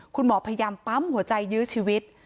คุณหมอพยายามปั๊มหัวใจยื้อชีวิต